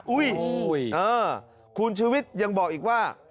อุ๊ยคุณชีวิตยังบอกอีกว่า